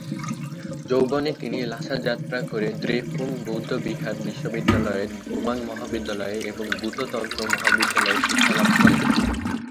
যৌবনে তিনি লাসা যাত্রা করে দ্রেপুং বৌদ্ধবিহার বিশ্ববিদ্যালয়ের গোমাং মহাবিদ্যালয়ে এবং গ্যুতো তন্ত্র মহাবিদ্যালয়ে শিক্ষালাভ করেন।